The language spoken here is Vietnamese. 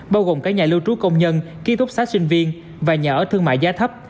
bao gồm cả nhà lưu trú công nhân ký túc xá sinh viên và nhà ở thương mại giá thấp